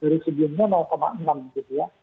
residuenya enam gitu ya